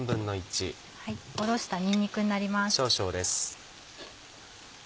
おろしたにんにくになります。